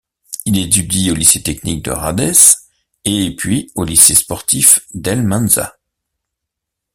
Il étudie au lycée technique de Radès et puis au lycée sportif d'El Menzah.